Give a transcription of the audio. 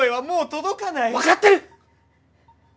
わかってる！